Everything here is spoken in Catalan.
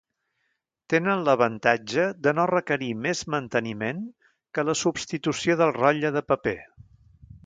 Tenen l'avantatge de no requerir més manteniment que la substitució del rotlle de paper.